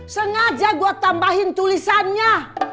sengaja gue tambahin tulisannya